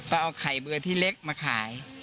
เอาไข่เบอร์ที่เล็กมาขาย